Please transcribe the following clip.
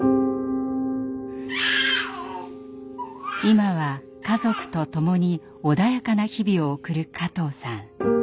今は家族と共に穏やかな日々を送る加藤さん。